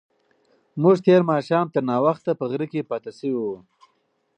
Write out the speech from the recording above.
موږ تېر ماښام تر ناوخته په غره کې پاتې شوو.